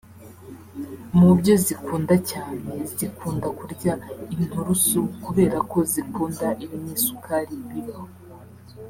Mu byo zikunda cyane zikunda kurya inturusukubera ko zikunda ibinyesukari bibabo